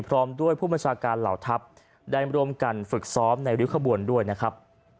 พร้อมด้วยผู้บัญชาการเหล่าทัพได้ร่วมกันฝึกซ้อมในริ้วขบวนด้วยนะครับ